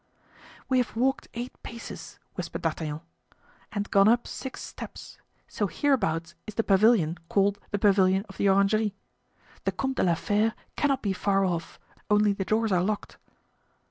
"We have walked eight paces," whispered D'Artagnan, "and gone up six steps, so hereabouts is the pavilion called the pavilion of the orangery. The Comte de la Fere cannot be far off, only the doors are locked."